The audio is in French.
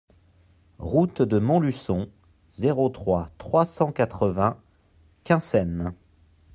Route de Montluçon, zéro trois, trois cent quatre-vingts Quinssaines